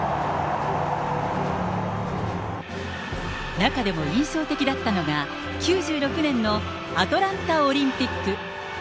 中でも印象的だったのが、９６年のアトランタオリンピック。